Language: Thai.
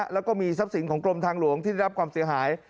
แล้วก็มีทรัพย์สินของกรมทางหลวงที่ได้รับความเสียหาย